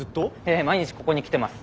ええ毎日ここに来てます。